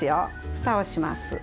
ふたをします。